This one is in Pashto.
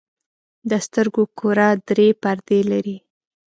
د سترګو کره درې پردې لري.